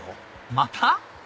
また？